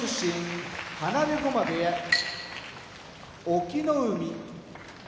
隠岐の海